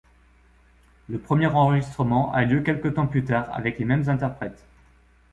Le premier enregistrement a lieu quelque temps plus tard avec les mêmes interprètes.